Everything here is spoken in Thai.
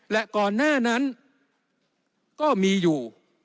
และก่อนหน้านั้นก็มีอยู่